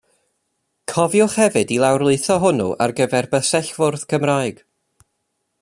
Cofiwch hefyd i lawr lwytho hwnnw ar gyfer bysellfwrdd Cymraeg.